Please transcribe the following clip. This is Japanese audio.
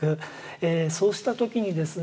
そうした時にですね